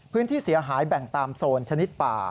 พื้นที่เสียหายแบ่งตามโซนชนิดป่า